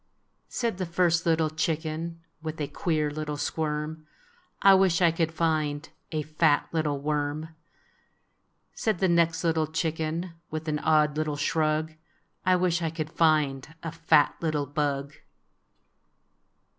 Said the first little chicken, With a queer little squirm, "I wish I could find A fat little worm !" Said the next little chicken, With an odd little shrug, "I wish I could find A fat little bug!